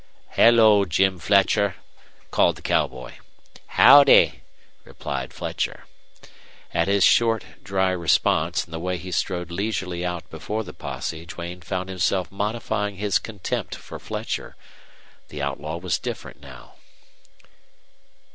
"Hello, Jim Fletcher," called the cowboy. "Howdy," replied Fletcher. At his short, dry response and the way he strode leisurely out before the posse Duane found himself modifying his contempt for Fletcher. The outlaw was different now.